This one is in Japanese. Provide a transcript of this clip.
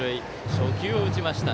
初球を打ちました。